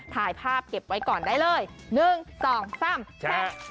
ถ่ายภาพเก็บไว้ก่อนได้เลย๑๒๓